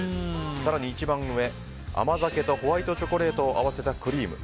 更に一番上、甘酒とホワイトチョコレートを合わせたクリーム。